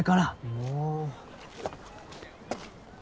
もう！